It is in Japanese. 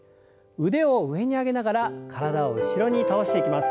腕を上に上げながら体を後ろに倒していきます。